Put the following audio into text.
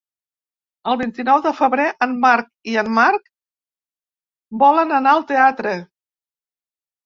El vint-i-nou de febrer en Marc i en Marc volen anar al teatre.